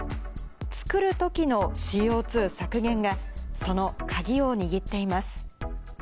作るときのＣＯ２削減が、その鍵を握っています。